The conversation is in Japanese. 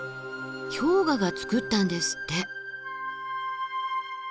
氷河がつくったんですって。